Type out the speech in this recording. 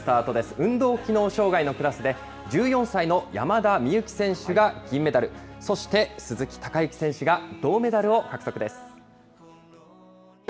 運動機能障害のクラスで、１４歳の山田美幸選手が銀メダル、そして鈴木孝幸選手が銅メダルを獲得です。